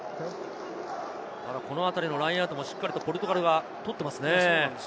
ただこのあたりのラインアウト、しっかりポルトガルがとっていますね。